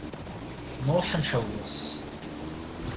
Nruḥ ad nḥewwes.